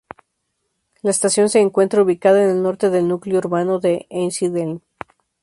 La estación se encuentra ubicada en el norte del núcleo urbano de Einsiedeln.